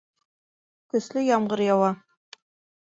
Көслө ямғыр яуа